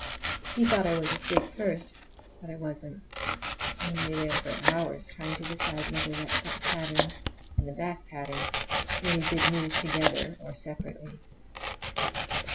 He thought I was asleep first, but I wasn't,—I lay there for hours trying to decide whether that front pattern and the back pattern really did move together or separately.